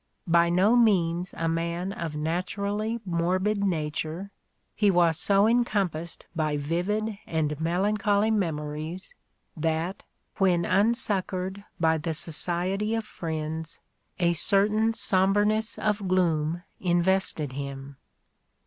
By no means a man of natur ally morbid nature, he was so encompassed by vivid and melancholy memories, that, when unsuccoured by the society of friends, a certain sombreness of gloom invested him.